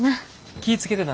気ぃ付けてな。